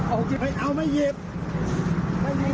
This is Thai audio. เอามายิบมายิบพี่